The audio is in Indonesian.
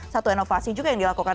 satu inovasi juga yang dilakukan